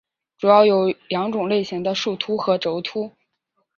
主要有两种类型的树突和轴突。